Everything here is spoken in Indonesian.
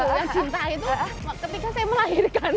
yang cinta itu ketika saya melahirkan